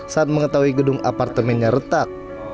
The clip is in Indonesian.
saat mengetahui gedung apartemennya retak